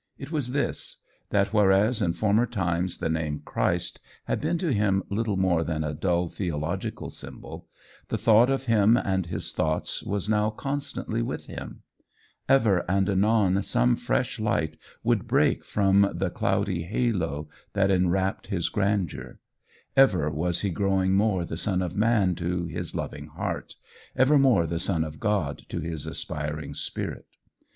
It was this: that, whereas in former times the name Christ had been to him little more than a dull theological symbol, the thought of him and of his thoughts was now constantly with him; ever and anon some fresh light would break from the cloudy halo that enwrapped his grandeur; ever was he growing more the Son of Man to his loving heart, ever more the Son of God to his aspiring spirit.